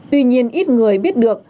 tuy nhiên ít người biết được